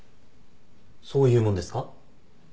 そういうもんですか？